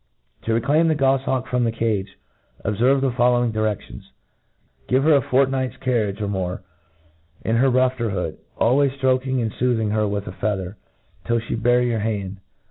To reclaim th^ gofliawk from the cage, ob ferve the following diredions. Give her a fort night's carriage, or more, in her rufter hood, al ways ftroking.and foothing her with a feather, tfiU flie bear your hand.